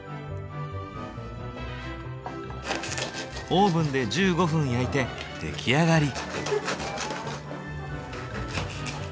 オーブンで１５分焼いて出来上がり。